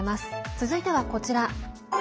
続いては、こちら。